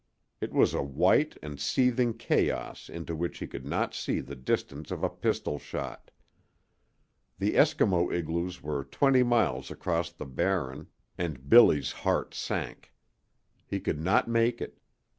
It was a white and seething chaos into which he could not see the distance of a pistol shot. The Eskimo igloos were twenty miles across the Barren, and Billy's heart sank. He could not make it.